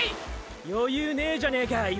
余裕ねえじゃねえか泉田。